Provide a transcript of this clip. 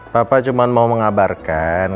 papa cuma mau mengabarkan